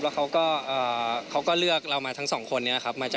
แล้วเขาก็เลือกเรามาทั้งสองคนนี้ครับ